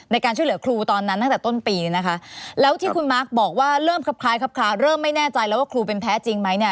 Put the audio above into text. ในการช่วยเหลือครูตอนนั้นตั้งแต่ต้นปีเนี่ยนะคะแล้วที่คุณมาร์คบอกว่าเริ่มครับคล้ายครับคลาเริ่มไม่แน่ใจแล้วว่าครูเป็นแพ้จริงไหมเนี่ย